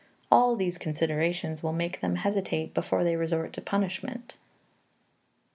All these considerations will make them hesitate before they resort to punishment.